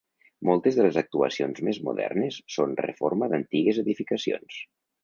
Moltes de les actuacions més modernes són reforma d'antigues edificacions.